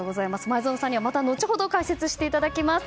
前園さんにはまた後ほど解説していただきます。